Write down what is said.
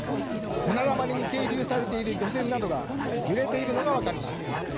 船だまりに係留されている漁船などが揺れているのが分かります。